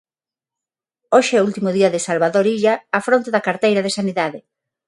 Hoxe é o último día de Salvador Illa á fronte da carteira de Sanidade.